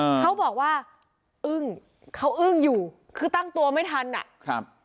เขาบอกว่าอึ้งเขาอึ้งอยู่คือตั้งตัวไม่ทันอ่ะครับ